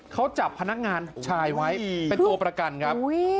เขาจับพนักงานชายไว้เป็นตัวประกันครับ